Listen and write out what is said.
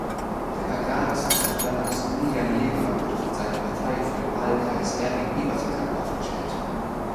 Der Agrarwissenschaftler Maximilian Lehmer wurde von seiner Partei für den Wahlkreis Erding-Ebersberg aufgestellt.